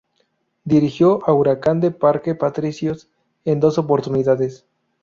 Dirigió a Huracán de Parque Patricios en dos oportunidades.